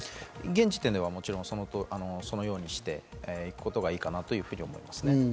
現時点ではそのようにしていくことがいいかなと思いますね。